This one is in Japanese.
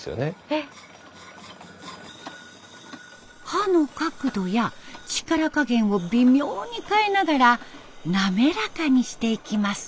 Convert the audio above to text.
刃の角度や力加減を微妙に変えながら滑らかにしていきます。